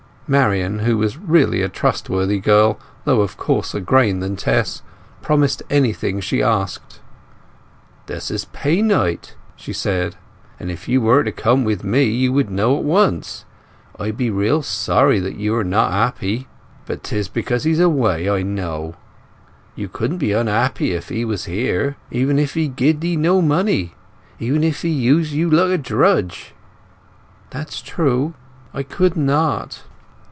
Marian, who was really a trustworthy girl though of coarser grain than Tess, promised anything she asked. "This is pay night," she said, "and if you were to come with me you would know at once. I be real sorry that you are not happy; but 'tis because he's away, I know. You couldn't be unhappy if he were here, even if he gie'd ye no money—even if he used you like a drudge." "That's true; I could not!"